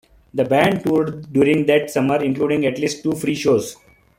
The band toured during that summer, including at least two free shows.